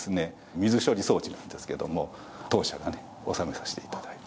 水処理装置なんですけども当社がね納めさせていただいた。